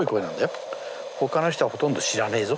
他の人はほとんど知らねぇぞ